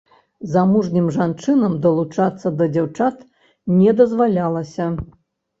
Замужнім жанчынам далучацца да дзяўчат не дазвалялася.